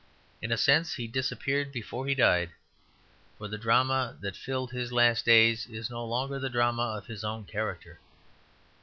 In a sense he disappeared before he died; for the drama that filled his last days is no longer the drama of his own character.